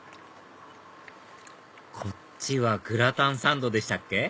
こっちはグラタンサンドでしたっけ